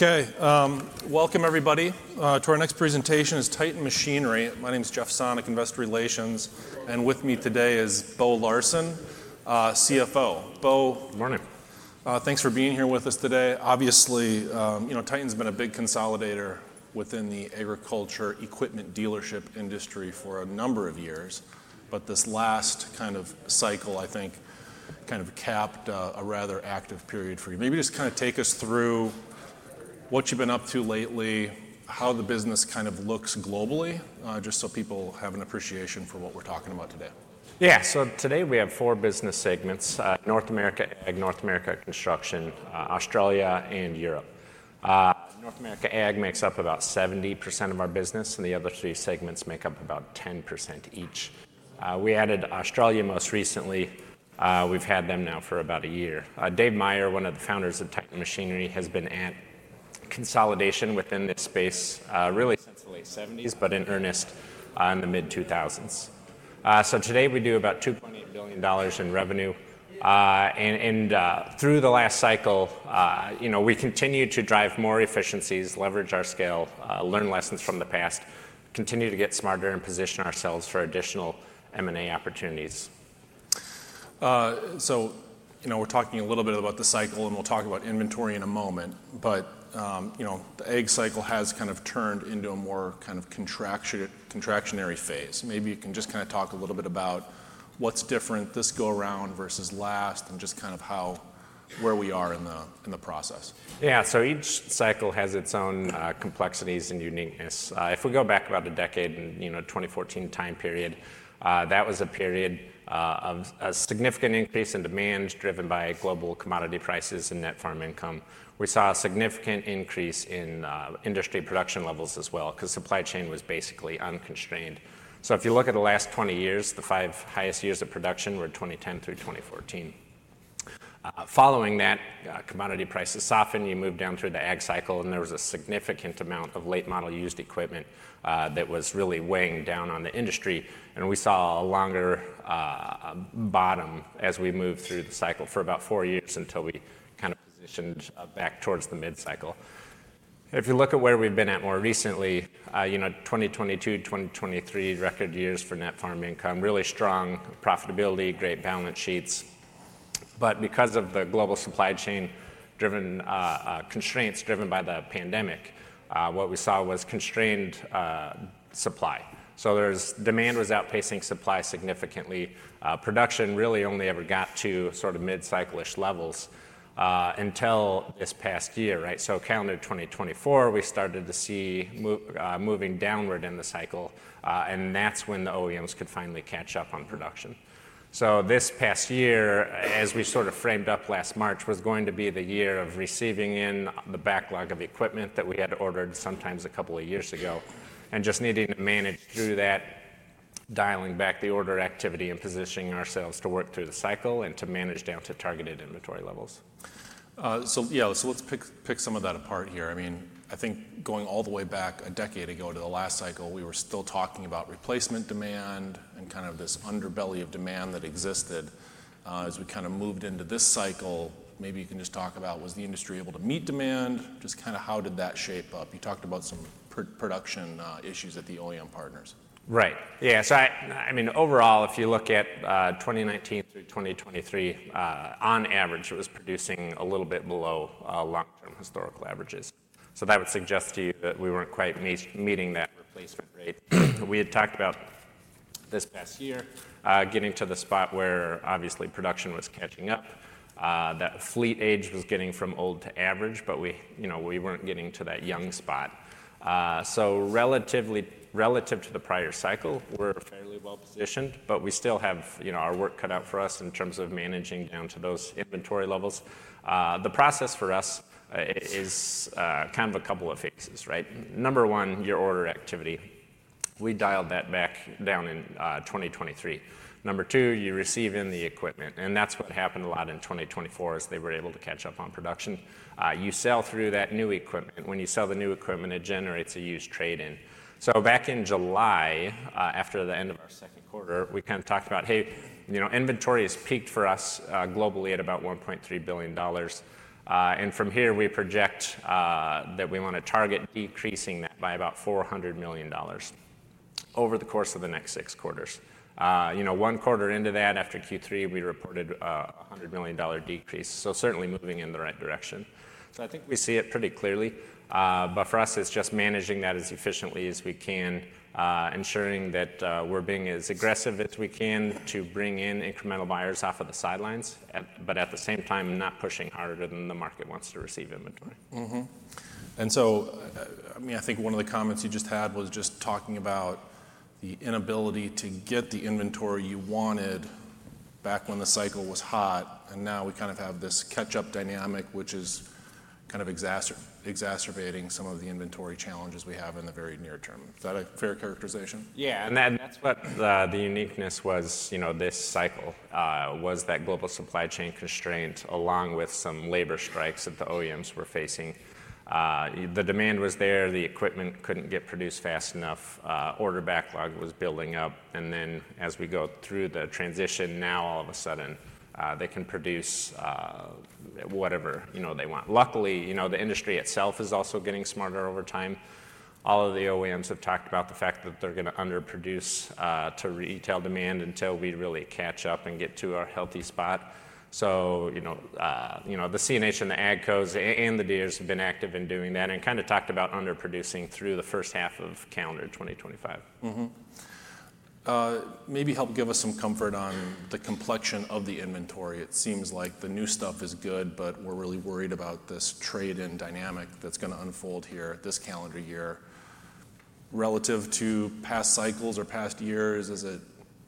Okay, welcome everybody to our next presentation is Titan Machinery. My name is Jeff Sonnek, Investor Relations, and with me today is Bo Larsen, CFO. Bo. Good morning. Thanks for being here with us today. Obviously, you know, Titan's been a big consolidator within the agriculture equipment dealership industry for a number of years, but this last kind of cycle, I think, kind of capped a rather active period for you. Maybe just kind of take us through what you've been up to lately, how the business kind of looks globally, just so people have an appreciation for what we're talking about today. Yeah, so today we have four business segments: North America Ag, North America Construction, Australia, and Europe. North America Ag makes up about 70% of our business, and the other three segments make up about 10% each. We added Australia most recently. We've had them now for about a year. Dave Meyer, one of the founders of Titan Machinery, has been at consolidation within this space really since the late 1970s, but in earnest in the mid-2000s. So today we do about $2.8 billion in revenue. And through the last cycle, you know, we continue to drive more efficiencies, leverage our scale, learn lessons from the past, continue to get smarter, and position ourselves for additional M&A opportunities. So, you know, we're talking a little bit about the cycle, and we'll talk about inventory in a moment, but, you know, the ag cycle has kind of turned into a more kind of contractionary phase. Maybe you can just kind of talk a little bit about what's different this go around versus last, and just kind of how, where we are in the process. Yeah, so each cycle has its own complexities and uniqueness. If we go back about a decade, you know, 2014 time period, that was a period of a significant increase in demand driven by global commodity prices and net farm income. We saw a significant increase in industry production levels as well, because supply chain was basically unconstrained. So if you look at the last 20 years, the five highest years of production were 2010 through 2014. Following that, commodity prices softened, you moved down through the ag cycle, and there was a significant amount of late model used equipment that was really weighing down on the industry. And we saw a longer bottom as we moved through the cycle for about four years until we kind of positioned back towards the mid-cycle. If you look at where we've been at more recently, you know, 2022, 2023 record years for net farm income, really strong profitability, great balance sheets, but because of the global supply chain constraints driven by the pandemic, what we saw was constrained supply, so the demand was outpacing supply significantly. Production really only ever got to sort of mid-cyclish levels until this past year, right, so calendar 2024, we started to see moving downward in the cycle, and that's when the OEMs could finally catch up on production. This past year, as we sort of framed up last March, was going to be the year of receiving in the backlog of equipment that we had ordered sometimes a couple of years ago, and just needing to manage through that, dialing back the order activity and positioning ourselves to work through the cycle and to manage down to targeted inventory levels. So, yeah, so let's pick some of that apart here. I mean, I think going all the way back a decade ago to the last cycle, we were still talking about replacement demand and kind of this underbelly of demand that existed. As we kind of moved into this cycle, maybe you can just talk about, was the industry able to meet demand? Just kind of how did that shape up? You talked about some production issues at the OEM partners. Right, yeah, so I mean, overall, if you look at 2019 through 2023, on average, it was producing a little bit below long-term historical averages. So that would suggest to you that we weren't quite meeting that replacement rate. We had talked about this past year getting to the spot where obviously production was catching up, that fleet age was getting from old to average, but we, you know, we weren't getting to that young spot. So relatively to the prior cycle, we're fairly well positioned, but we still have, you know, our work cut out for us in terms of managing down to those inventory levels. The process for us is kind of a couple of phases, right? Number one, your order activity. We dialed that back down in 2023. Number two, you receive in the equipment, and that's what happened a lot in 2024 as they were able to catch up on production. You sell through that new equipment. When you sell the new equipment, it generates a used trade-in. So back in July, after the end of our second quarter, we kind of talked about, hey, you know, inventory has peaked for us globally at about $1.3 billion. And from here, we project that we want to target decreasing that by about $400 million over the course of the next six quarters. You know, one quarter into that, after Q3, we reported a $100 million decrease. So certainly moving in the right direction. So I think we see it pretty clearly, but for us, it's just managing that as efficiently as we can, ensuring that we're being as aggressive as we can to bring in incremental buyers off of the sidelines, but at the same time, not pushing harder than the market wants to receive inventory. And so, I mean, I think one of the comments you just had was just talking about the inability to get the inventory you wanted back when the cycle was hot, and now we kind of have this catch-up dynamic, which is kind of exacerbating some of the inventory challenges we have in the very near term. Is that a fair characterization? Yeah, and that's what the uniqueness was, you know, this cycle was that global supply chain constraint along with some labor strikes that the OEMs were facing. The demand was there, the equipment couldn't get produced fast enough, order backlog was building up, and then as we go through the transition, now all of a sudden they can produce whatever, you know, they want. Luckily, you know, the industry itself is also getting smarter over time. All of the OEMs have talked about the fact that they're going to underproduce to retail demand until we really catch up and get to our healthy spot. So, you know, the CNH and the AGCOs and the Deeres have been active in doing that and kind of talked about underproducing through the first half of calendar 2025. Maybe help give us some comfort on the complexion of the inventory. It seems like the new stuff is good, but we're really worried about this trade-in dynamic that's going to unfold here this calendar year. Relative to past cycles or past years, is it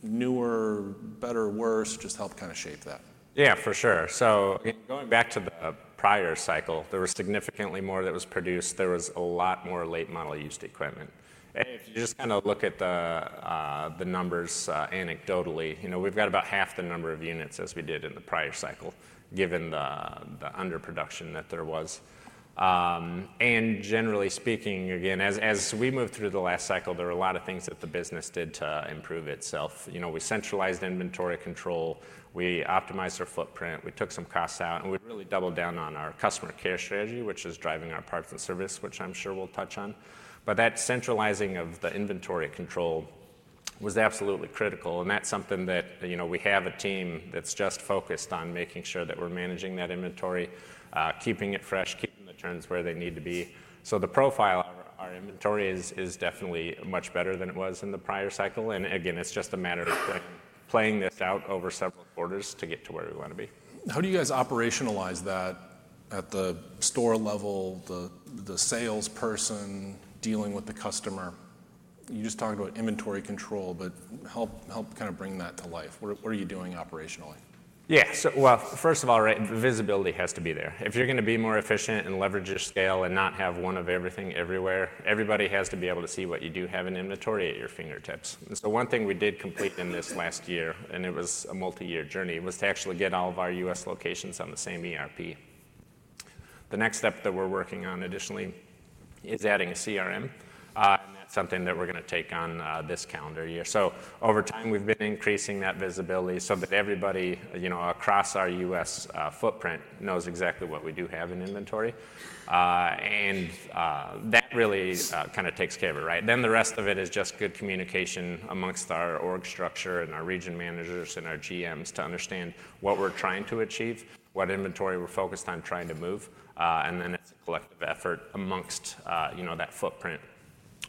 newer, better, worse? Just help kind of shape that. Yeah, for sure, so going back to the prior cycle, there was significantly more that was produced. There was a lot more late model used equipment. If you just kind of look at the numbers anecdotally, you know, we've got about half the number of units as we did in the prior cycle, given the underproduction that there was, and generally speaking, again, as we moved through the last cycle, there were a lot of things that the business did to improve itself. You know, we centralized inventory control, we optimized our footprint, we took some costs out, and we really doubled down on our Customer Care strategy, which is driving our parts and service, which I'm sure we'll touch on. But that centralizing of the inventory control was absolutely critical, and that's something that, you know, we have a team that's just focused on making sure that we're managing that inventory, keeping it fresh, keeping the turns where they need to be. So the profile of our inventory is definitely much better than it was in the prior cycle. And again, it's just a matter of playing this out over several quarters to get to where we want to be. How do you guys operationalize that at the store level, the salesperson dealing with the customer? You just talked about inventory control, but help kind of bring that to life. What are you doing operationally? Yeah, so well, first of all, right, visibility has to be there. If you're going to be more efficient and leverage your scale and not have one of everything everywhere, everybody has to be able to see what you do have in inventory at your fingertips. And so one thing we did complete in this last year, and it was a multi-year journey, was to actually get all of our U.S. locations on the same ERP. The next step that we're working on additionally is adding a CRM, and that's something that we're going to take on this calendar year. So over time, we've been increasing that visibility so that everybody, you know, across our U.S. footprint knows exactly what we do have in inventory. And that really kind of takes care of it, right? Then the rest of it is just good communication amongst our org structure and our region managers and our GMs to understand what we're trying to achieve, what inventory we're focused on trying to move, and then it's a collective effort amongst, you know, that footprint.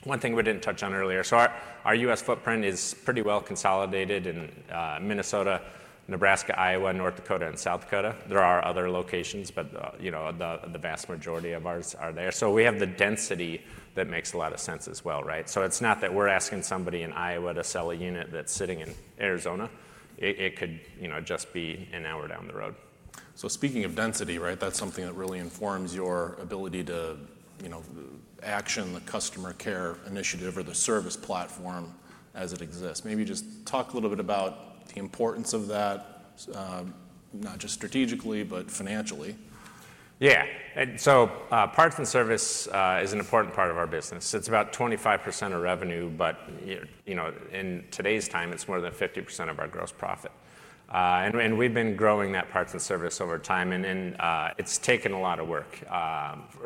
One thing we didn't touch on earlier, so our U.S. footprint is pretty well consolidated in Minnesota, Nebraska, Iowa, North Dakota, and South Dakota. There are other locations, but, you know, the vast majority of ours are there. So we have the density that makes a lot of sense as well, right? So it's not that we're asking somebody in Iowa to sell a unit that's sitting in Arizona. It could, you know, just be an hour down the road. So speaking of density, right, that's something that really informs your ability to, you know, action the customer care initiative or the service platform as it exists. Maybe just talk a little bit about the importance of that, not just strategically, but financially. Yeah, and so parts and service is an important part of our business. It's about 25% of revenue, but, you know, in today's time, it's more than 50% of our gross profit. And we've been growing that parts and service over time, and it's taken a lot of work.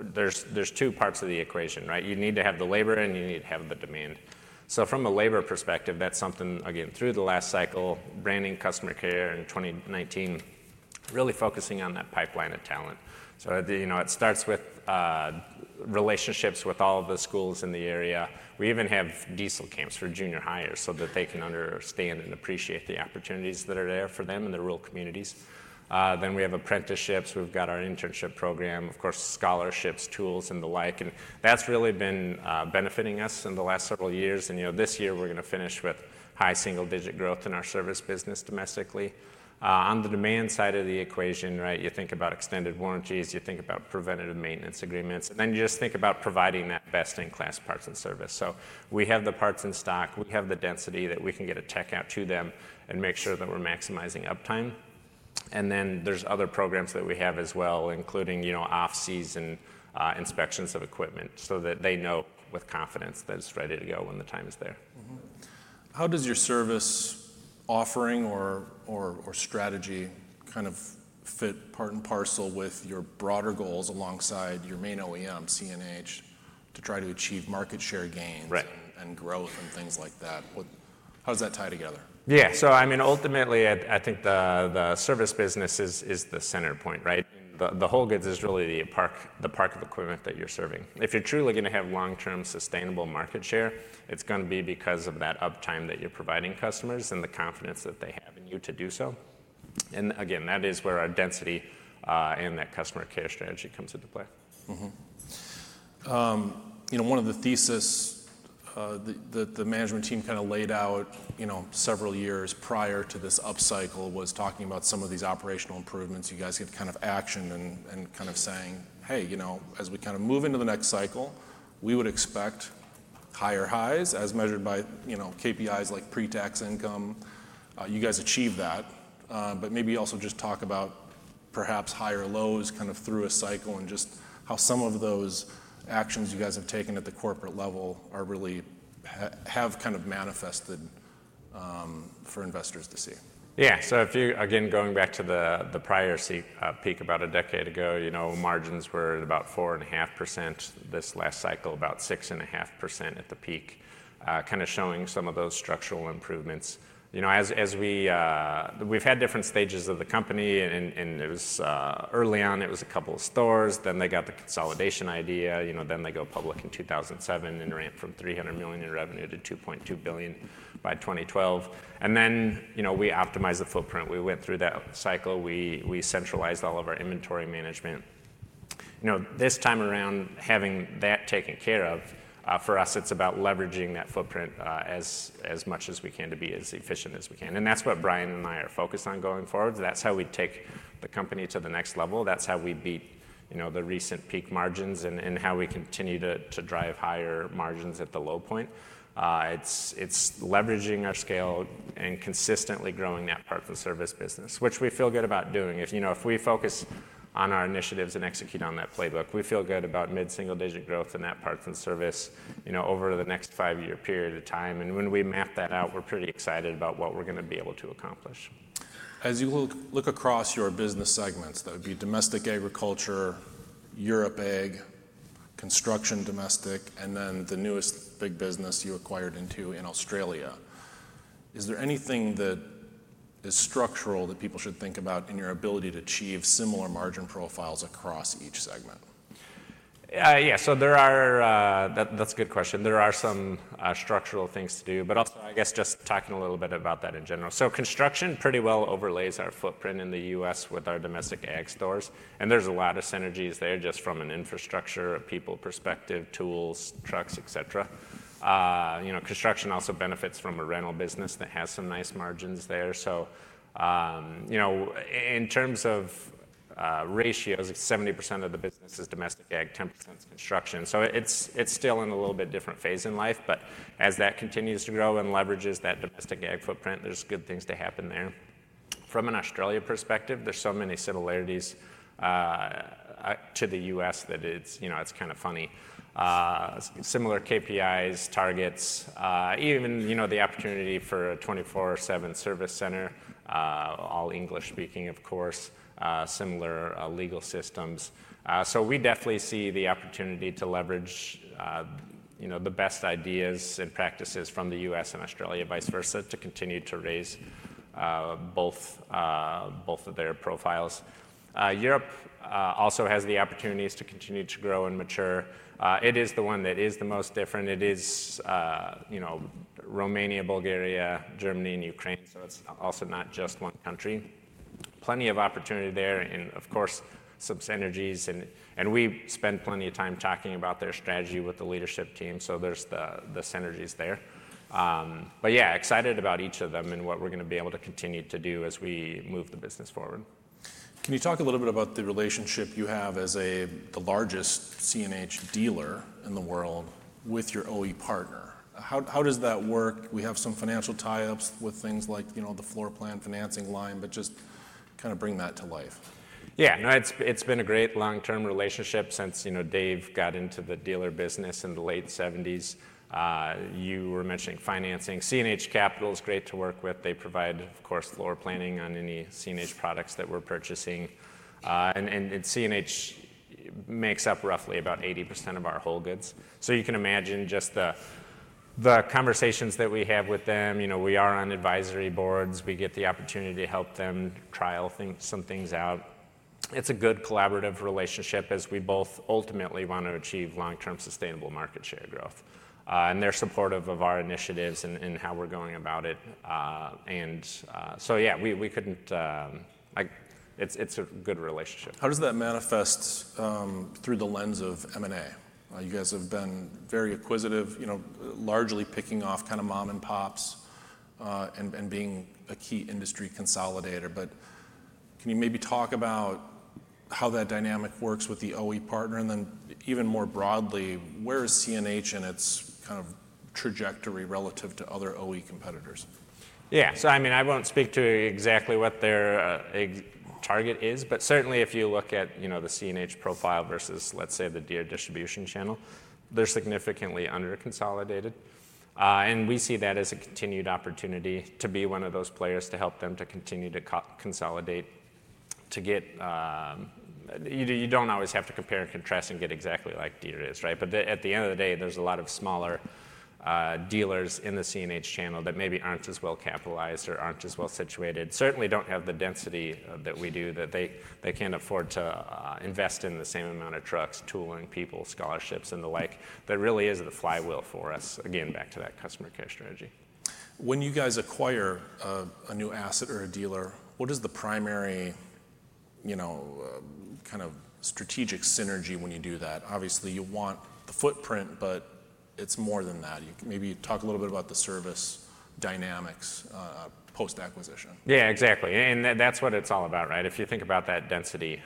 There's two parts of the equation, right? You need to have the labor, and you need to have the demand. So from a labor perspective, that's something, again, through the last cycle, branding, customer care in 2019, really focusing on that pipeline of talent. So, you know, it starts with relationships with all of the schools in the area. We even have diesel camps for junior hires so that they can understand and appreciate the opportunities that are there for them in the rural communities. Then we have apprenticeships. We've got our internship program, of course, scholarships, tools, and the like. That's really been benefiting us in the last several years. You know, this year we're going to finish with high single-digit growth in our service business domestically. On the demand side of the equation, right, you think about extended warranties, you think about preventative maintenance agreements, and then you just think about providing that best-in-class parts and service. We have the parts in stock. We have the density that we can get a tech out to them and make sure that we're maximizing uptime. There's other programs that we have as well, including, you know, off-season inspections of equipment so that they know with confidence that it's ready to go when the time is there. How does your service offering or strategy kind of fit part and parcel with your broader goals alongside your main OEM, CNH, to try to achieve market share gains and growth and things like that? How does that tie together? Yeah, so I mean, ultimately, I think the service business is the center point, right? The whole goods is really the park of equipment that you're serving. If you're truly going to have long-term sustainable market share, it's going to be because of that uptime that you're providing customers and the confidence that they have in you to do so. And again, that is where our density and that customer care strategy comes into play. You know, one of the theses that the management team kind of laid out, you know, several years prior to this upcycle was talking about some of these operational improvements. You guys took kind of action and kind of saying, hey, you know, as we kind of move into the next cycle, we would expect higher highs as measured by, you know, KPIs like pre-tax income. You guys achieve that, but maybe also just talk about perhaps higher lows kind of through a cycle and just how some of those actions you guys have taken at the corporate level have really kind of manifested for investors to see. Yeah, so if you, again, going back to the prior peak about a decade ago, you know, margins were at about 4.5% this last cycle, about 6.5% at the peak, kind of showing some of those structural improvements. You know, as we've had different stages of the company, and early on it was a couple of stores, then they got the consolidation idea, you know, then they go public in 2007 and ramp from $300 million in revenue to $2.2 billion by 2012, and then, you know, we optimized the footprint. We went through that cycle. We centralized all of our inventory management. You know, this time around, having that taken care of, for us, it's about leveraging that footprint as much as we can to be as efficient as we can, and that's what Bryan and I are focused on going forward. That's how we take the company to the next level. That's how we beat, you know, the recent peak margins and how we continue to drive higher margins at the low point. It's leveraging our scale and consistently growing that parts and service business, which we feel good about doing. You know, if we focus on our initiatives and execute on that playbook, we feel good about mid-single-digit growth in that parts and service, you know, over the next five-year period of time. And when we map that out, we're pretty excited about what we're going to be able to accomplish. As you look across your business segments, that would be domestic agriculture, Europe Ag, construction domestic, and then the newest big business you acquired into in Australia, is there anything that is structural that people should think about in your ability to achieve similar margin profiles across each segment? Yeah, so there are. That's a good question. There are some structural things to do, but also I guess just talking a little bit about that in general. So construction pretty well overlays our footprint in the U.S. with our domestic Ag stores. And there's a lot of synergies there just from an infrastructure people perspective, tools, trucks, et cetera. You know, construction also benefits from a rental business that has some nice margins there. So, you know, in terms of ratios, 70% of the business is domestic Ag, 10% is construction. So it's still in a little bit different phase in life, but as that continues to grow and leverages that domestic Ag footprint, there's good things to happen there. From an Australia perspective, there's so many similarities to the U.S. that it's, you know, it's kind of funny. Similar KPIs, targets, even, you know, the opportunity for a 24/7 service center, all English speaking, of course, similar legal systems. So we definitely see the opportunity to leverage, you know, the best ideas and practices from the U.S. and Australia, vice versa, to continue to raise both of their profiles. Europe also has the opportunities to continue to grow and mature. It is the one that is the most different. It is, you know, Romania, Bulgaria, Germany, and Ukraine. So it's also not just one country. Plenty of opportunity there and, of course, some synergies, and we spend plenty of time talking about their strategy with the leadership team. So there's the synergies there, but yeah, excited about each of them and what we're going to be able to continue to do as we move the business forward. Can you talk a little bit about the relationship you have as the largest CNH dealer in the world with your OEM partner? How does that work? We have some financial tie-ups with things like, you know, the floor plan financing line, but just kind of bring that to life. Yeah, no, it's been a great long-term relationship since, you know, Dave got into the dealer business in the late 1970s. You were mentioning financing. CNH Capital is great to work with. They provide, of course, floor planning on any CNH products that we're purchasing. And CNH makes up roughly about 80% of our whole goods. So you can imagine just the conversations that we have with them. You know, we are on advisory boards. We get the opportunity to help them trial some things out. It's a good collaborative relationship as we both ultimately want to achieve long-term sustainable market share growth. And they're supportive of our initiatives and how we're going about it. And so yeah, we couldn't, it's a good relationship. How does that manifest through the lens of M&A? You guys have been very acquisitive, you know, largely picking off kind of mom-and-pops and being a key industry consolidator. But can you maybe talk about how that dynamic works with the OEM partner? And then even more broadly, where is CNH in its kind of trajectory relative to other OEM competitors? Yeah, so I mean, I won't speak to exactly what their target is, but certainly if you look at, you know, the CNH profile versus, let's say, the Deere distribution channel, they're significantly under-consolidated. And we see that as a continued opportunity to be one of those players to help them to continue to consolidate, to get, you don't always have to compare and contrast and get exactly like Deere is, right? But at the end of the day, there's a lot of smaller dealers in the CNH channel that maybe aren't as well capitalized or aren't as well situated, certainly don't have the density that we do, that they can't afford to invest in the same amount of trucks, tooling, people, scholarships, and the like. That really is the flywheel for us, again, back to that Customer Care strategy. When you guys acquire a new asset or a dealer, what is the primary, you know, kind of strategic synergy when you do that? Obviously, you want the footprint, but it's more than that. Maybe talk a little bit about the service dynamics post-acquisition. Yeah, exactly. And that's what it's all about, right? If you think about that density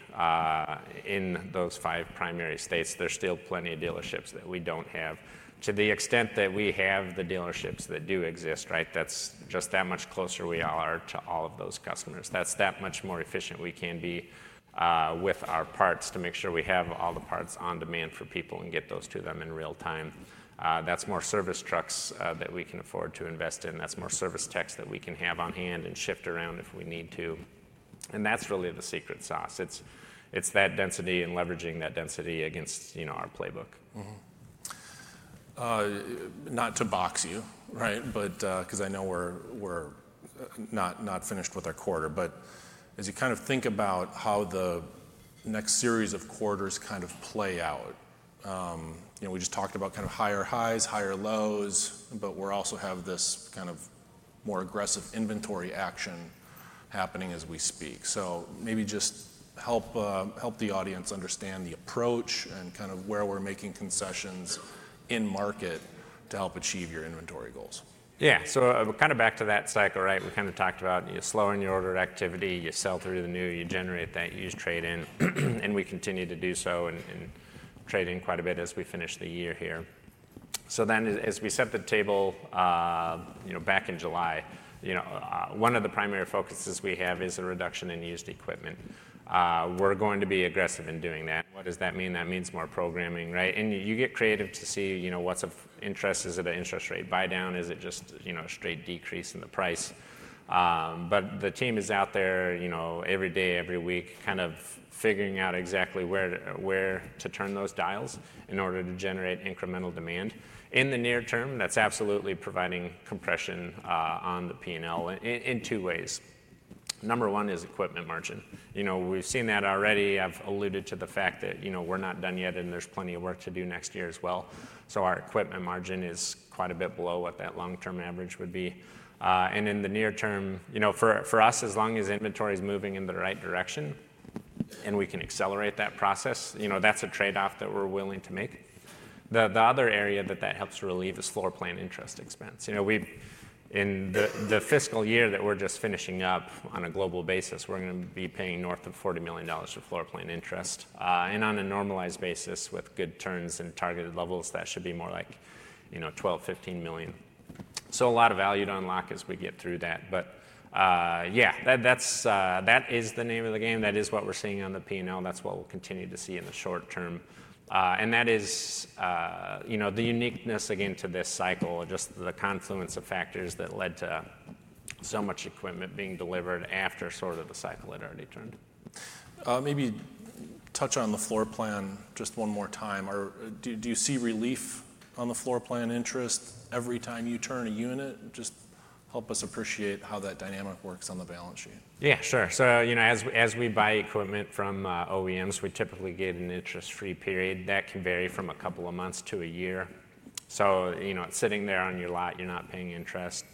in those five primary states, there's still plenty of dealerships that we don't have. To the extent that we have the dealerships that do exist, right, that's just that much closer we are to all of those customers. That's that much more efficient we can be with our parts to make sure we have all the parts on demand for people and get those to them in real time. That's more service trucks that we can afford to invest in. That's more service techs that we can have on hand and shift around if we need to. And that's really the secret sauce. It's that density and leveraging that density against, you know, our playbook. Not to box you, right, because I know we're not finished with our quarter, but as you kind of think about how the next series of quarters kind of play out, you know, we just talked about kind of higher highs, higher lows, but we also have this kind of more aggressive inventory action happening as we speak. So maybe just help the audience understand the approach and kind of where we're making concessions in market to help achieve your inventory goals. Yeah, so kind of back to that cycle, right? We kind of talked about you slow down your order activity, you sell through the new, you generate that used trade-in, and we continue to do so and trade in quite a bit as we finish the year here. So then as we set the table, you know, back in July, you know, one of the primary focuses we have is a reduction in used equipment. We're going to be aggressive in doing that. What does that mean? That means more programming, right? And you get creative to see, you know, what's of interest? Is it an interest rate buy-down? Is it just, you know, a straight decrease in the price? But the team is out there, you know, every day, every week, kind of figuring out exactly where to turn those dials in order to generate incremental demand. In the near term, that's absolutely providing compression on the P&L in two ways. Number one is equipment margin. You know, we've seen that already. I've alluded to the fact that, you know, we're not done yet and there's plenty of work to do next year as well, so our equipment margin is quite a bit below what that long-term average would be, and in the near term, you know, for us, as long as inventory is moving in the right direction and we can accelerate that process, you know, that's a trade-off that we're willing to make. The other area that that helps relieve is floor plan interest expense. You know, in the fiscal year that we're just finishing up on a global basis, we're going to be paying north of $40 million for floor plan interest. And on a normalized basis with good turns and targeted levels, that should be more like, you know, $12 million-$15 million. So a lot of value to unlock as we get through that. But yeah, that is the name of the game. That is what we're seeing on the P&L. That's what we'll continue to see in the short term. And that is, you know, the uniqueness again to this cycle, just the confluence of factors that led to so much equipment being delivered after sort of the cycle had already turned. Maybe touch on the floor plan just one more time. Do you see relief on the floor plan interest every time you turn a unit? Just help us appreciate how that dynamic works on the balance sheet. Yeah, sure. So, you know, as we buy equipment from OEMs, we typically get an interest-free period. That can vary from a couple of months to a year. So, you know, it's sitting there on your lot. You're not paying interest.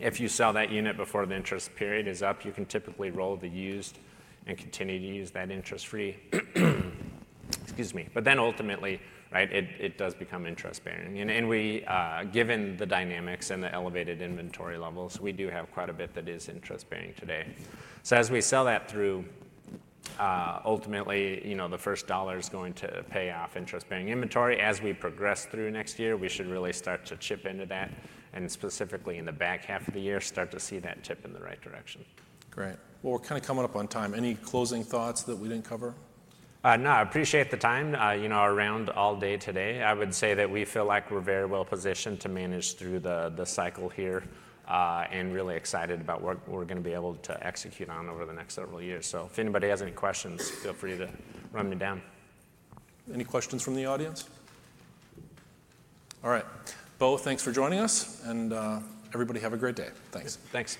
If you sell that unit before the interest period is up, you can typically roll the used and continue to use that interest-free. Excuse me. But then ultimately, right, it does become interest-bearing. And given the dynamics and the elevated inventory levels, we do have quite a bit that is interest-bearing today. So as we sell that through, ultimately, you know, the first dollar is going to pay off interest-bearing inventory. As we progress through next year, we should really start to chip into that. And specifically in the back half of the year, start to see that tip in the right direction. Great. Well, we're kind of coming up on time. Any closing thoughts that we didn't cover? No, I appreciate the time, you know, around all day today. I would say that we feel like we're very well positioned to manage through the cycle here and really excited about what we're going to be able to execute on over the next several years. So if anybody has any questions, feel free to run me down. Any questions from the audience? All right. Bo, thanks for joining us. And everybody have a great day. Thanks. Thanks.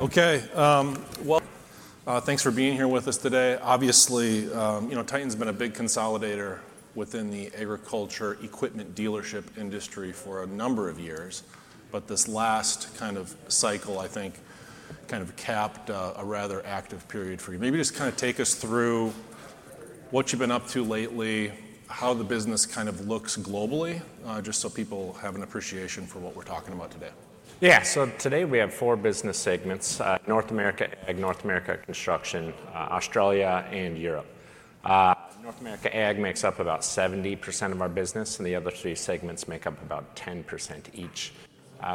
Okay. Well, thanks for being here with us today. Obviously, you know, Titan's been a big consolidator within the agriculture equipment dealership industry for a number of years. But this last kind of cycle, I think, kind of capped a rather active period for you. Maybe just kind of take us through what you've been up to lately, how the business kind of looks globally, just so people have an appreciation for what we're talking about today. Yeah, so today we have four business segments: North America Ag, North America Construction, Australia, and Europe. North America Ag makes up about 70% of our business, and the other three segments make up about 10% each.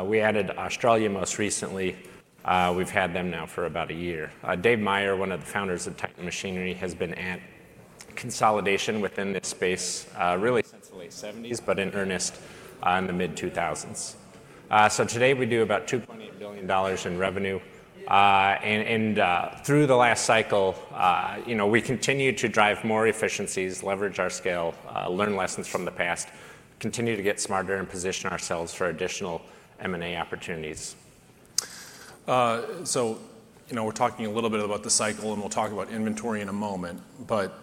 We added Australia most recently. We've had them now for about a year. Dave Meyer, one of the founders of Titan Machinery, has been at consolidation within this space really since the late 1970s, but in earnest in the mid-2000s. So today we do about $2.8 billion in revenue. And through the last cycle, you know, we continue to drive more efficiencies, leverage our scale, learn lessons from the past, continue to get smarter, and position ourselves for additional M&A opportunities. So, you know, we're talking a little bit about the cycle, and we'll talk about inventory in a moment. But,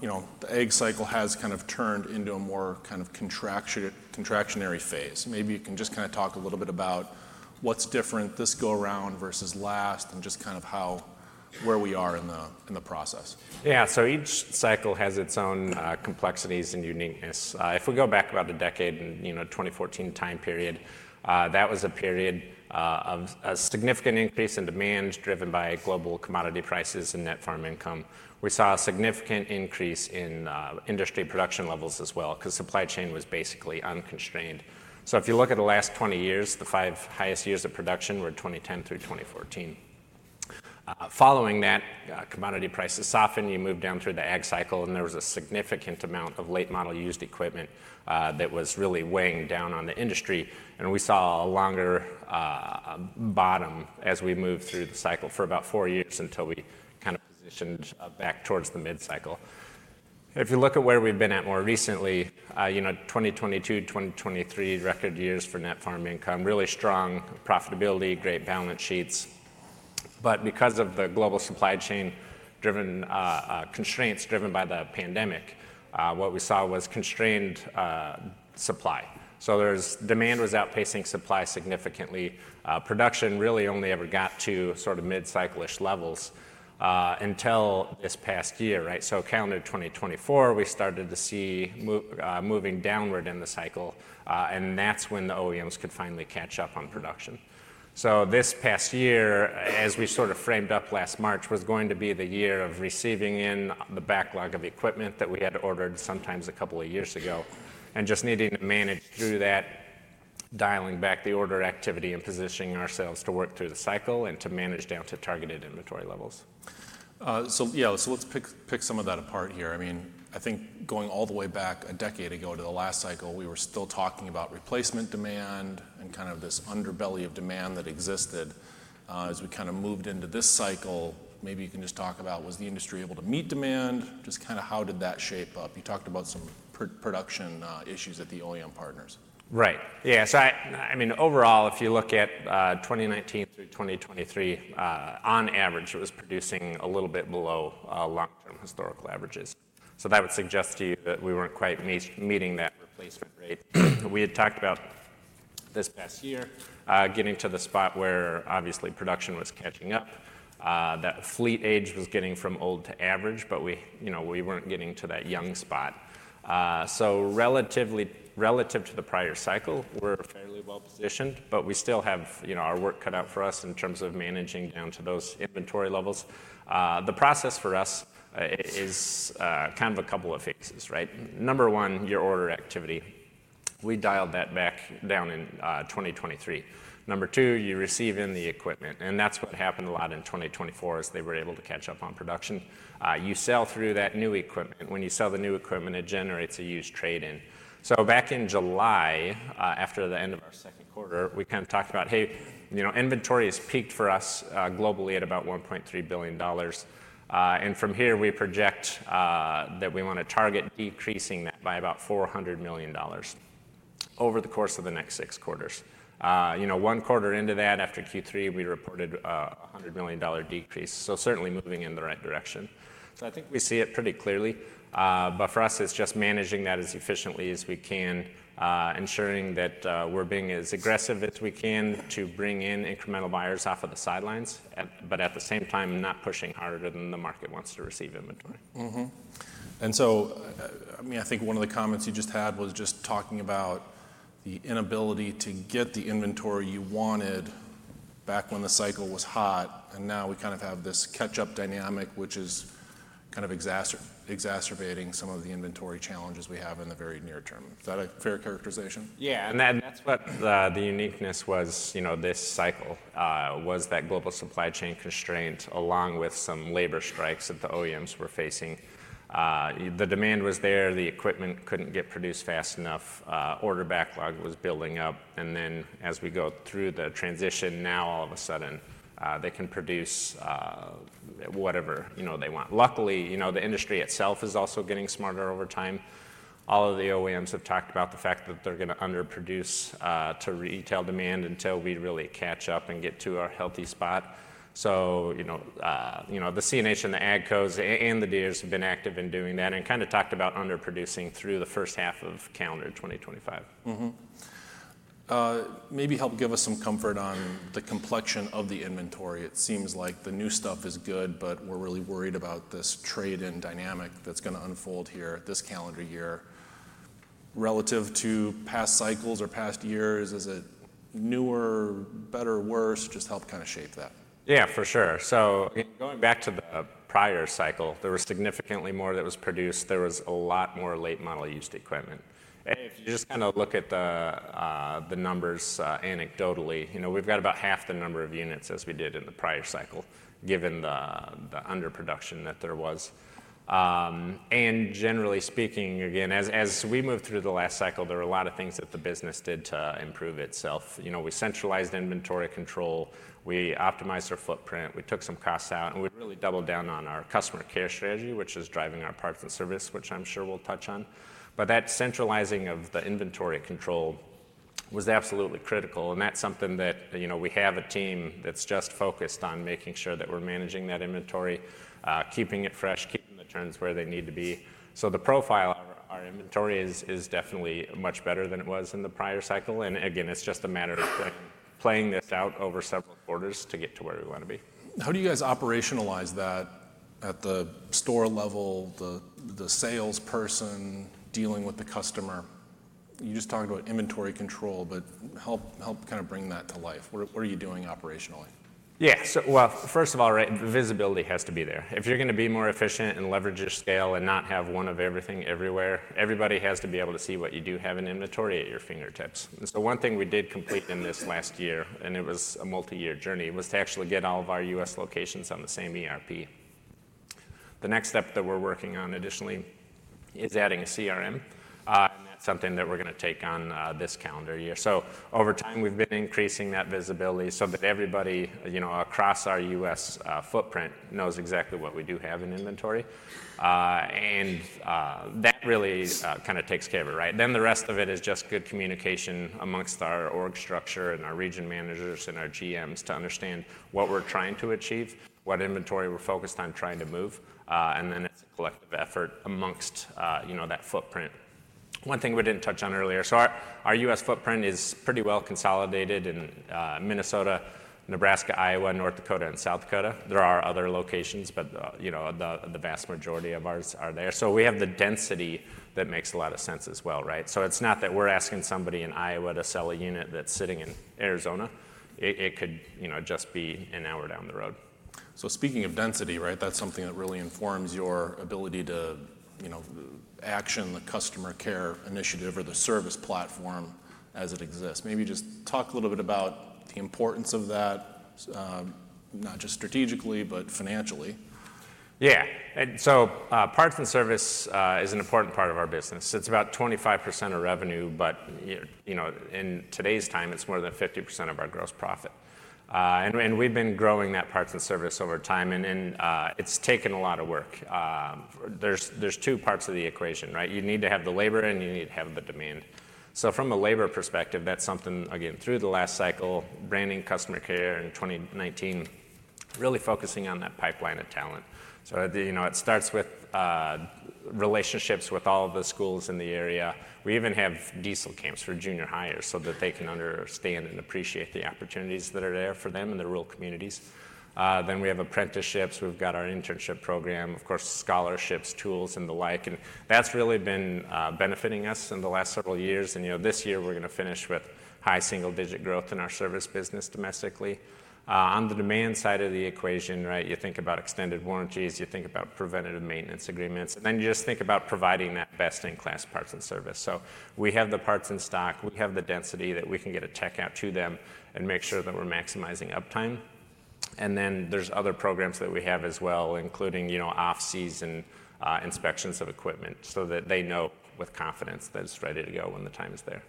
you know, the ag cycle has kind of turned into a more kind of contractionary phase. Maybe you can just kind of talk a little bit about what's different this go-around versus last and just kind of how where we are in the process. Yeah, so each cycle has its own complexities and uniqueness. If we go back about a decade, you know, 2014 time period, that was a period of a significant increase in demand driven by global commodity prices and net farm income. We saw a significant increase in industry production levels as well because supply chain was basically unconstrained, so if you look at the last 20 years, the five highest years of production were 2010 through 2014. Following that, commodity prices softened, you moved down through the ag cycle, and there was a significant amount of late model used equipment that was really weighing down on the industry, and we saw a longer bottom as we moved through the cycle for about four years until we kind of positioned back towards the mid-cycle. If you look at where we've been at more recently, you know, 2022, 2023 record years for net farm income, really strong profitability, great balance sheets. But because of the global supply chain constraints driven by the pandemic, what we saw was constrained supply. So there was demand outpacing supply significantly. Production really only ever got to sort of mid-cyclish levels until this past year, right? So calendar 2024, we started to see moving downward in the cycle, and that's when the OEMs could finally catch up on production. So this past year, as we sort of framed up last March, was going to be the year of receiving in the backlog of equipment that we had ordered sometimes a couple of years ago and just needing to manage through that, dialing back the order activity and positioning ourselves to work through the cycle and to manage down to targeted inventory levels. So yeah, so let's pick some of that apart here. I mean, I think going all the way back a decade ago to the last cycle, we were still talking about replacement demand and kind of this underbelly of demand that existed. As we kind of moved into this cycle, maybe you can just talk about, was the industry able to meet demand? Just kind of how did that shape up? You talked about some production issues at the OEM partners. Right. Yeah. So I mean, overall, if you look at 2019 through 2023, on average, it was producing a little bit below long-term historical averages. So that would suggest to you that we weren't quite meeting that replacement rate. We had talked about this past year getting to the spot where obviously production was catching up, that fleet age was getting from old to average, but we, you know, we weren't getting to that young spot. So relative to the prior cycle, we're fairly well positioned, but we still have, you know, our work cut out for us in terms of managing down to those inventory levels. The process for us is kind of a couple of phases, right? Number one, your order activity. We dialed that back down in 2023. Number two, you receive in the equipment. That's what happened a lot in 2024 as they were able to catch up on production. You sell through that new equipment. When you sell the new equipment, it generates a used trade-in. So back in July, after the end of our second quarter, we kind of talked about, hey, you know, inventory has peaked for us globally at about $1.3 billion. And from here, we project that we want to target decreasing that by about $400 million over the course of the next six quarters. You know, one quarter into that, after Q3, we reported a $100 million decrease. So certainly moving in the right direction. So I think we see it pretty clearly. But for us, it's just managing that as efficiently as we can, ensuring that we're being as aggressive as we can to bring in incremental buyers off of the sidelines, but at the same time, not pushing harder than the market wants to receive inventory. And so, I mean, I think one of the comments you just had was just talking about the inability to get the inventory you wanted back when the cycle was hot. And now we kind of have this catch-up dynamic, which is kind of exacerbating some of the inventory challenges we have in the very near term. Is that a fair characterization? Yeah, and that's what the uniqueness was, you know, this cycle was that global supply chain constraint along with some labor strikes that the OEMs were facing. The demand was there, the equipment couldn't get produced fast enough, order backlog was building up, and then as we go through the transition, now all of a sudden, they can produce whatever, you know, they want. Luckily, you know, the industry itself is also getting smarter over time. All of the OEMs have talked about the fact that they're going to underproduce to retail demand until we really catch up and get to our healthy spot, so, you know, the CNH and the AGCOs and the dealers have been active in doing that and kind of talked about underproducing through the first half of calendar 2025. Maybe help give us some comfort on the complexion of the inventory. It seems like the new stuff is good, but we're really worried about this trade-in dynamic that's going to unfold here this calendar year. Relative to past cycles or past years, is it newer, better, worse? Just help kind of shape that. Yeah, for sure, so going back to the prior cycle, there was significantly more that was produced. There was a lot more late model used equipment. If you just kind of look at the numbers anecdotally, you know, we've got about half the number of units as we did in the prior cycle, given the underproduction that there was, and generally speaking, again, as we moved through the last cycle, there were a lot of things that the business did to improve itself. You know, we centralized inventory control, we optimized our footprint, we took some costs out, and we really doubled down on our customer care strategy, which is driving our parts and service, which I'm sure we'll touch on, but that centralizing of the inventory control was absolutely critical. That's something that, you know, we have a team that's just focused on making sure that we're managing that inventory, keeping it fresh, keeping the turns where they need to be. The profile of our inventory is definitely much better than it was in the prior cycle. Again, it's just a matter of playing this out over several quarters to get to where we want to be. How do you guys operationalize that at the store level, the salesperson dealing with the customer? You just talked about inventory control, but help kind of bring that to life. What are you doing operationally? Yeah. Well, first of all, right, the visibility has to be there. If you're going to be more efficient and leverage your scale and not have one of everything everywhere, everybody has to be able to see what you do have in inventory at your fingertips. And so one thing we did complete in this last year, and it was a multi-year journey, was to actually get all of our U.S. locations on the same ERP. The next step that we're working on additionally is adding a CRM. And that's something that we're going to take on this calendar year. So over time, we've been increasing that visibility so that everybody, you know, across our U.S. footprint knows exactly what we do have in inventory. And that really kind of takes care of it, right? Then the rest of it is just good communication among our org structure and our region managers and our GMs to understand what we're trying to achieve, what inventory we're focused on trying to move. And then it's a collective effort among, you know, that footprint. One thing we didn't touch on earlier, so our U.S. footprint is pretty well consolidated in Minnesota, Nebraska, Iowa, North Dakota, and South Dakota. There are other locations, but, you know, the vast majority of ours are there. So we have the density that makes a lot of sense as well, right? So it's not that we're asking somebody in Iowa to sell a unit that's sitting in Arizona. It could, you know, just be an hour down the road. So speaking of density, right, that's something that really informs your ability to, you know, action the customer care initiative or the service platform as it exists. Maybe just talk a little bit about the importance of that, not just strategically, but financially. Yeah, and so parts and service is an important part of our business. It's about 25% of revenue, but you know, in today's time, it's more than 50% of our gross profit, and we've been growing that parts and service over time, and it's taken a lot of work. There's two parts of the equation, right? You need to have the labor and you need to have the demand, so from a labor perspective, that's something, again, through the last cycle, branding, customer care in 2019, really focusing on that pipeline of talent, so you know, it starts with relationships with all of the schools in the area. We even have Diesel Camps for junior hires so that they can understand and appreciate the opportunities that are there for them in the rural communities, then we have apprenticeships. We've got our internship program, of course, scholarships, tools, and the like. That's really been benefiting us in the last several years. You know, this year we're going to finish with high single-digit growth in our service business domestically. On the demand side of the equation, right, you think about extended warranties, you think about preventative maintenance agreements, and then you just think about providing that best-in-class parts and service. We have the parts in stock, we have the density that we can get a tech out to them and make sure that we're maximizing uptime. There's other programs that we have as well, including, you know, off-season inspections of equipment so that they know with confidence that it's ready to go when the time is there.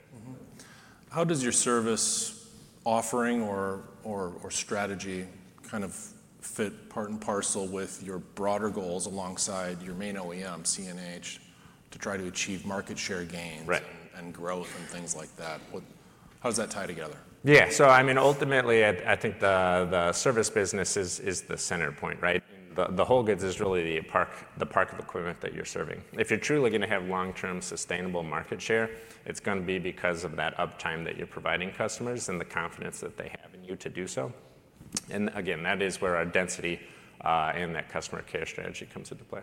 How does your service offering or strategy kind of fit part and parcel with your broader goals alongside your main OEM, CNH, to try to achieve market share gains and growth and things like that? How does that tie together? Yeah. So, I mean, ultimately, I think the service business is the center point, right? The whole goods is really the park of equipment that you're serving. If you're truly going to have long-term sustainable market share, it's going to be because of that uptime that you're providing customers and the confidence that they have in you to do so. And again, that is where our density and that Customer Care strategy comes into play.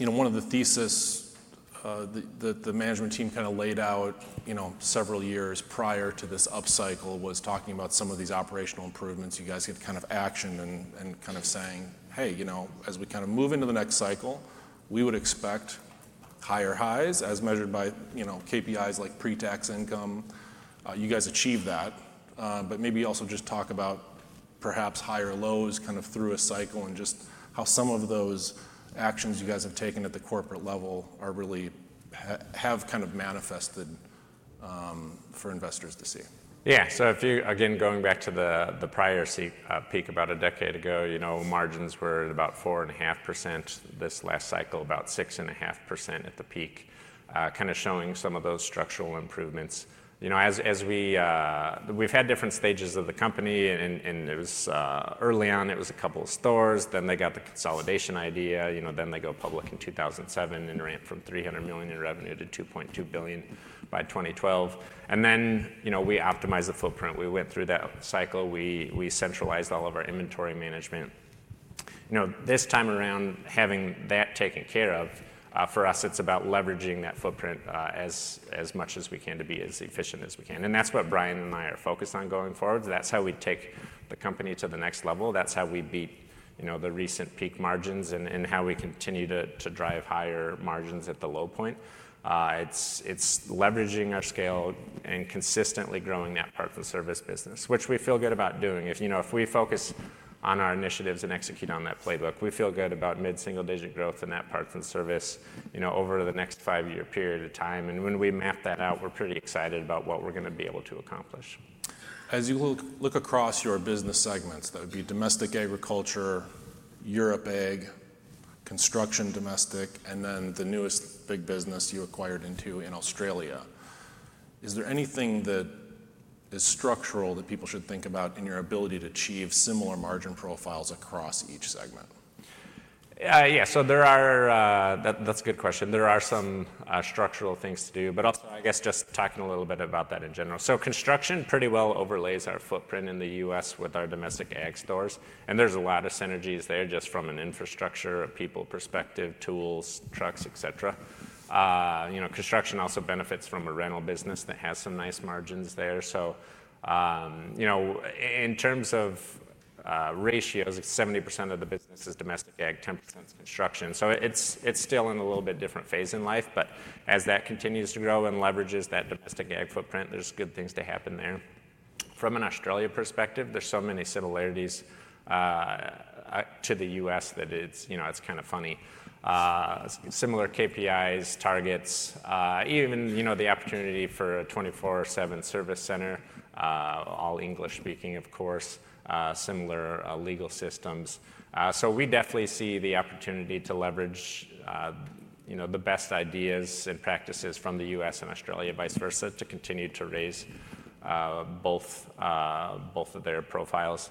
You know, one of the theses that the management team kind of laid out, you know, several years prior to this upcycle was talking about some of these operational improvements. You guys took action and kind of saying, "Hey, you know, as we kind of move into the next cycle, we would expect higher highs as measured by, you know, KPIs like pre-tax income." You guys achieve that, but maybe also just talk about perhaps higher lows kind of through a cycle and just how some of those actions you guys have taken at the corporate level are really kind of manifested for investors to see. Yeah. So if you, again, going back to the prior peak about a decade ago, you know, margins were at about 4.5% this last cycle, about 6.5% at the peak, kind of showing some of those structural improvements. You know, as we've had different stages of the company, and it was early on, it was a couple of stores, then they got the consolidation idea, you know, then they go public in 2007 and ramp from $300 million in revenue to $2.2 billion by 2012. And then, you know, we optimized the footprint. We went through that cycle. We centralized all of our inventory management. You know, this time around, having that taken care of, for us, it's about leveraging that footprint as much as we can to be as efficient as we can. And that's what Bryan and I are focused on going forward. That's how we take the company to the next level. That's how we beat, you know, the recent peak margins and how we continue to drive higher margins at the low point. It's leveraging our scale and consistently growing that parts and service business, which we feel good about doing. If, you know, if we focus on our initiatives and execute on that playbook, we feel good about mid-single-digit growth in that parts and service, you know, over the next five-year period of time, and when we map that out, we're pretty excited about what we're going to be able to accomplish. As you look across your business segments, that would be domestic agriculture, Europe Ag, construction domestic, and then the newest big business you acquired into in Australia. Is there anything that is structural that people should think about in your ability to achieve similar margin profiles across each segment? Yeah. So there are, that's a good question. There are some structural things to do, but also, I guess, just talking a little bit about that in general. So construction pretty well overlays our footprint in the U.S. with our domestic ag stores. And there's a lot of synergies there just from an infrastructure people perspective, tools, trucks, et cetera. You know, construction also benefits from a rental business that has some nice margins there. So, you know, in terms of ratios, 70% of the business is domestic ag, 10% is construction. So it's still in a little bit different phase in life, but as that continues to grow and leverages that domestic ag footprint, there's good things to happen there. From an Australia perspective, there's so many similarities to the U.S. that it's, you know, it's kind of funny. Similar KPIs, targets, even, you know, the opportunity for a 24/7 service center, all English speaking, of course, similar legal systems. So we definitely see the opportunity to leverage, you know, the best ideas and practices from the U.S. and Australia, vice versa, to continue to raise both of their profiles.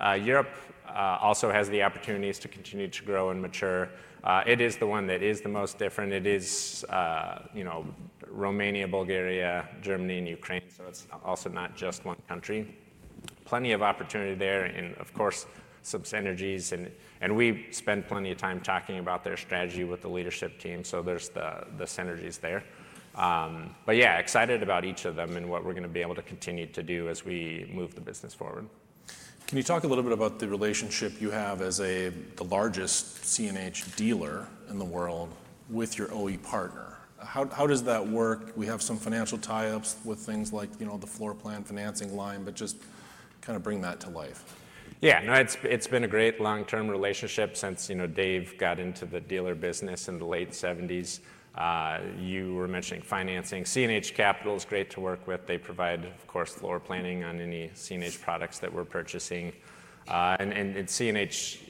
Europe also has the opportunities to continue to grow and mature. It is the one that is the most different. It is, you know, Romania, Bulgaria, Germany, and Ukraine. So it's also not just one country. Plenty of opportunity there and, of course, some synergies. And we spend plenty of time talking about their strategy with the leadership team. So there's the synergies there. But yeah, excited about each of them and what we're going to be able to continue to do as we move the business forward. Can you talk a little bit about the relationship you have as the largest CNH dealer in the world with your OEM partner? How does that work? We have some financial tie-ups with things like, you know, the floor plan financing line, but just kind of bring that to life. Yeah. No, it's been a great long-term relationship since, you know, Dave got into the dealer business in the late 1970s. You were mentioning financing. CNH Capital is great to work with. They provide, of course, floor planning on any CNH products that we're purchasing, and CNH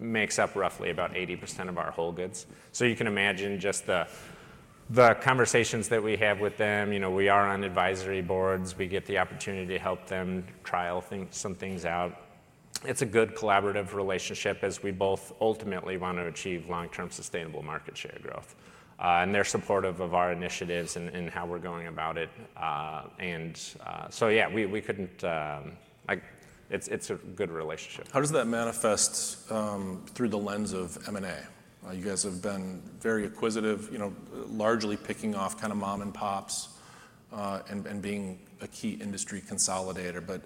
makes up roughly about 80% of our whole goods. So you can imagine just the conversations that we have with them. You know, we are on advisory boards. We get the opportunity to help them trial some things out. It's a good collaborative relationship as we both ultimately want to achieve long-term sustainable market share growth, and they're supportive of our initiatives and how we're going about it. And so, yeah, we couldn't; it's a good relationship. How does that manifest through the lens of M&A? You guys have been very acquisitive, you know, largely picking off kind of mom and pops and being a key industry consolidator. But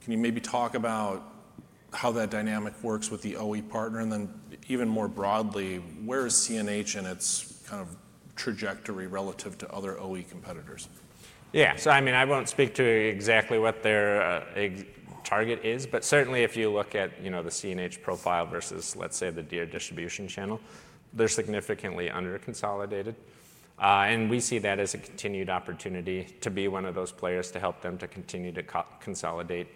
can you maybe talk about how that dynamic works with the OE partner? And then even more broadly, where is CNH in its kind of trajectory relative to other OE competitors? Yeah. So, I mean, I won't speak to exactly what their target is, but certainly if you look at, you know, the CNH profile versus, let's say, the Deere distribution channel, they're significantly under-consolidated. And we see that as a continued opportunity to be one of those players to help them to continue to consolidate,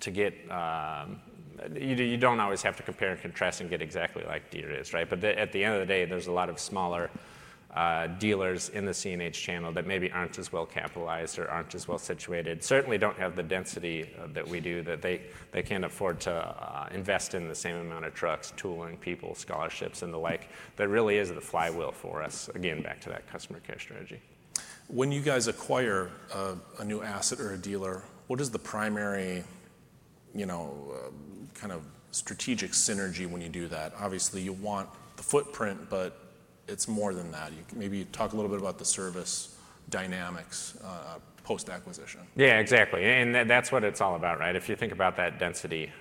to get you don't always have to compare and contrast and get exactly like Deere is, right? But at the end of the day, there's a lot of smaller dealers in the CNH channel that maybe aren't as well capitalized or aren't as well situated, certainly don't have the density that we do, that they can't afford to invest in the same amount of trucks, tooling, people, scholarships, and the like. That really is the flywheel for us, again, back to that customer care strategy. When you guys acquire a new asset or a dealer, what is the primary, you know, kind of strategic synergy when you do that? Obviously, you want the footprint, but it's more than that. Maybe talk a little bit about the service dynamics post-acquisition. Yeah, exactly. And that's what it's all about, right? If you think about that density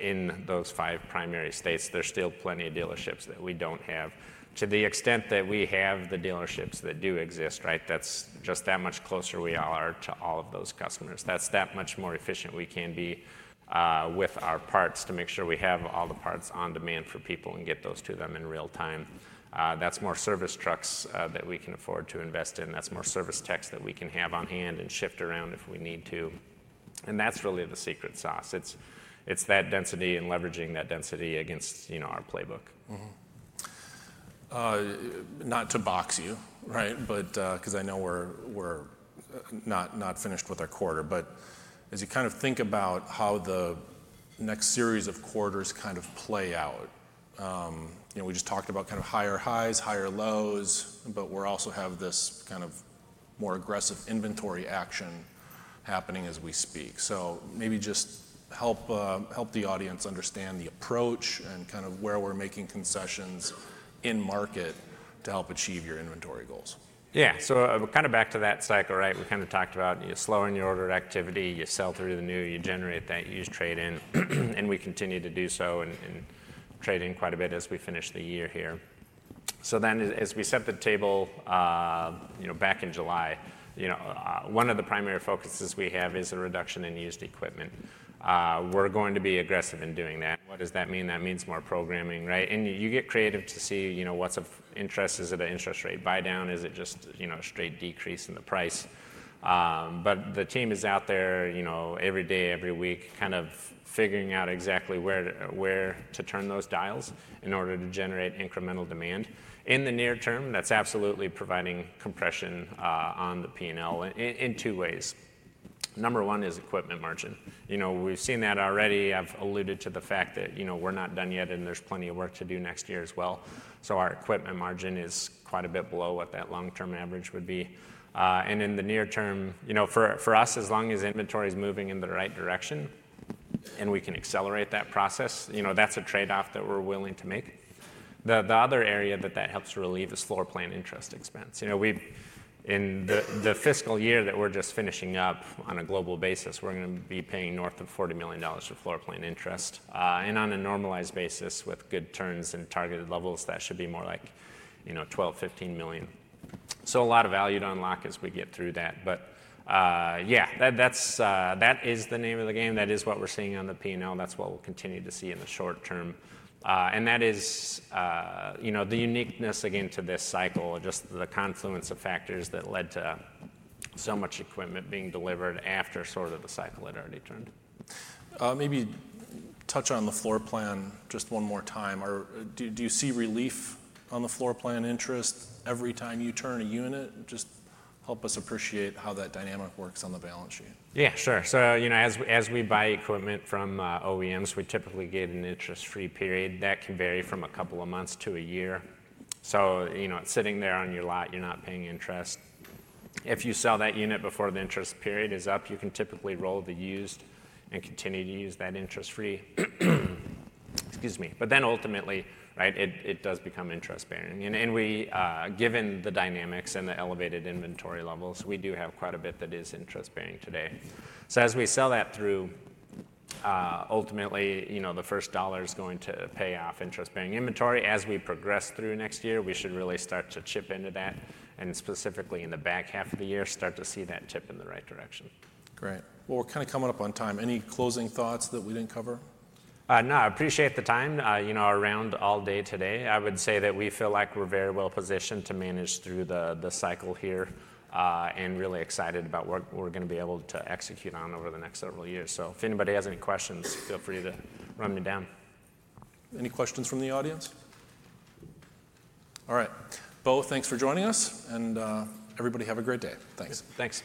in those five primary states, there's still plenty of dealerships that we don't have. To the extent that we have the dealerships that do exist, right, that's just that much closer we all are to all of those customers. That's that much more efficient we can be with our parts to make sure we have all the parts on demand for people and get those to them in real time. That's more service trucks that we can afford to invest in. That's more service techs that we can have on hand and shift around if we need to. And that's really the secret sauce. It's that density and leveraging that density against, you know, our playbook. Not to box you, right, because I know we're not finished with our quarter, but as you kind of think about how the next series of quarters kind of play out, you know, we just talked about kind of higher highs, higher lows, but we also have this kind of more aggressive inventory action happening as we speak, so maybe just help the audience understand the approach and kind of where we're making concessions in market to help achieve your inventory goals. Yeah. So kind of back to that cycle, right? We kind of talked about you slowing your order activity, you sell through the new, you generate that used trade-in, and we continue to do so and trade-in quite a bit as we finish the year here. So then as we set the table, you know, back in July, you know, one of the primary focuses we have is a reduction in used equipment. We're going to be aggressive in doing that. What does that mean? That means more programming, right? And you get creative to see, you know, what's of interest. Is it an interest rate buy-down? Is it just, you know, a straight decrease in the price? But the team is out there, you know, every day, every week, kind of figuring out exactly where to turn those dials in order to generate incremental demand. In the near term, that's absolutely providing compression on the P&L in two ways. Number one is equipment margin. You know, we've seen that already. I've alluded to the fact that, you know, we're not done yet and there's plenty of work to do next year as well. So our equipment margin is quite a bit below what that long-term average would be, and in the near term, you know, for us, as long as inventory is moving in the right direction and we can accelerate that process, you know, that's a trade-off that we're willing to make. The other area that that helps relieve is floor plan interest expense. You know, in the fiscal year that we're just finishing up on a global basis, we're going to be paying north of $40 million for floor plan interest. On a normalized basis with good turns and targeted levels, that should be more like, you know, $12 million-$15 million. A lot of value to unlock as we get through that. Yeah, that is the name of the game. That is what we're seeing on the P&L. That's what we'll continue to see in the short term. That is, you know, the uniqueness again to this cycle, just the confluence of factors that led to so much equipment being delivered after sort of the cycle had already turned. Maybe touch on the floor plan just one more time. Do you see relief on the floor plan interest every time you turn a unit? Just help us appreciate how that dynamic works on the balance sheet. Yeah, sure. So, you know, as we buy equipment from OEMs, we typically get an interest-free period. That can vary from a couple of months to a year. So, you know, it's sitting there on your lot. You're not paying interest. If you sell that unit before the interest period is up, you can typically roll the used and continue to use that interest-free. Excuse me. But then ultimately, right, it does become interest-bearing. And given the dynamics and the elevated inventory levels, we do have quite a bit that is interest-bearing today. So as we sell that through, ultimately, you know, the first dollar is going to pay off interest-bearing inventory. As we progress through next year, we should really start to chip into that and specifically in the back half of the year, start to see that tip in the right direction. Great. Well, we're kind of coming up on time. Any closing thoughts that we didn't cover? No, I appreciate the time, you know, around all day today. I would say that we feel like we're very well positioned to manage through the cycle here and really excited about what we're going to be able to execute on over the next several years. So if anybody has any questions, feel free to run me down. Any questions from the audience? All right. Bo, thanks for joining us, and everybody have a great day. Thanks. Thanks.